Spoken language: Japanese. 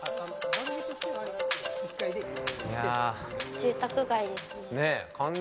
住宅街ですね。